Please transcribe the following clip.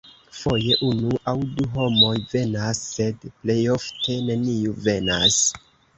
Foje unu aŭ du homoj venas, sed plejofte neniu venas.